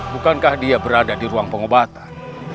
bukankah dia berada di ruang pengobatan